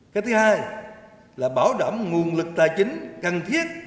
cái thứ hai là bảo đảm nguồn lực tài chính cần thiết